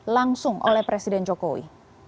langsung oleh presiden jokowi